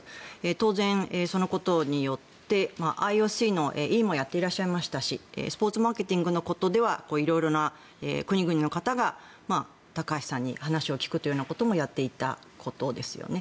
当然、そのことによってＩＯＣの委員もやっていらっしゃいましたしスポーツマーケティングのことでは色々な国々の方が高橋さんに話を聞くということもやっていたことですよね。